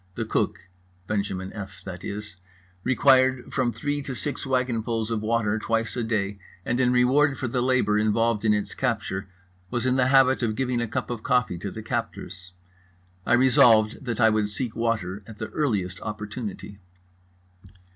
The cook (Benjamin F., that is) required from three to six wagonfuls of water twice a day, and in reward for the labour involved in its capture was in the habit of giving a cup of coffee to the captors. I resolved that I would seek water at the earliest opportunity.